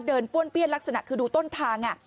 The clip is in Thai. ป้วนเปี้ยนลักษณะคือดูต้นทาง